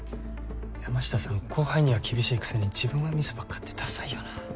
山下さん後輩には厳しいくせに自分はミスばっかってダサいよな。